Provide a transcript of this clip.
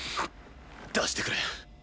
出してくれ。